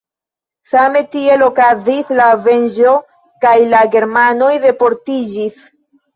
Same tiel okazis la venĝo kaj la germanoj deportiĝis.